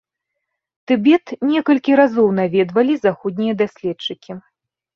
Тыбет некалькі разоў наведвалі заходнія даследчыкі.